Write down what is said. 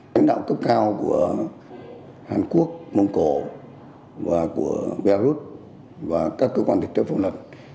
lãnh đạo cấp cao của hàn quốc mông cổ và của belarus và các cơ quan thực thi pháp luật